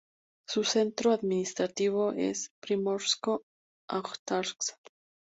Su centro administrativo es Primorsko-Ajtarsk.